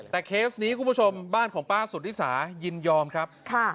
แต่เคสนี้คุณผู้ชมบ้านของป้าสุธิสายินยอมครับ